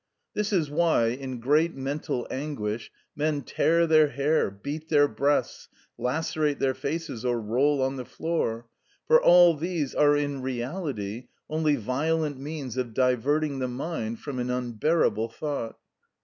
This is why, in great mental anguish, men tear their hair, beat their breasts, lacerate their faces, or roll on the floor, for all these are in reality only violent means of diverting the mind from an unbearable thought.